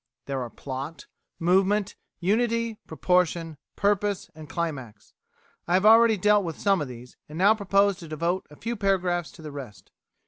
There are plot, movement, unity, proportion, purpose, and climax. I have already dealt with some of these, and now propose to devote a few paragraphs to the rest.